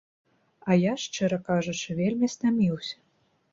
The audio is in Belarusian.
А я, шчыра кажучы, вельмі стаміўся.